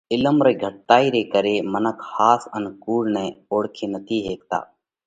عِلم رِي گھٽتائِي ري ڪري منک ۿاس ان ڪُوڙ نئہ اوۯکي نٿِي هيڪتا۔